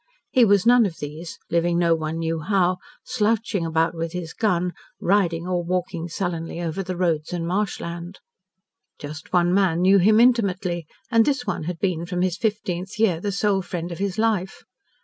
He was none of these living no one knew how, slouching about with his gun, riding or walking sullenly over the roads and marshland. Just one man knew him intimately, and this one had been from his fifteenth year the sole friend of his life.